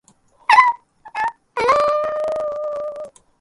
He graduated at the age of sixteen.